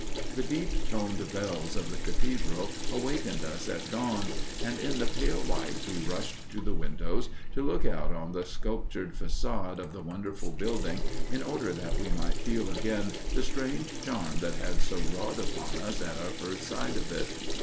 The deep toned bells of the cathedral awakened us at dawn, and in the pale light we rushed to the windows to look out on the sculptured façade of the wonderful building in order that we might feel again the strange charm that had so wrought upon us at our first sight of it.